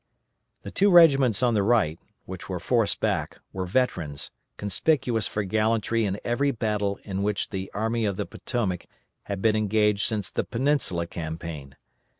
The two regiments on the right, which were forced back, were veterans, conspicuous for gallantry in every battle in which the Army of the Potomac had been engaged since the Peninsula campaign.